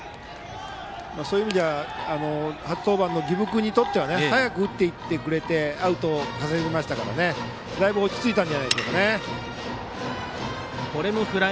そういう意味では初登板の儀部君にとっては早く打っていってくれてアウトを稼ぎましたからだいぶ落ち着いたんじゃないでしょうか。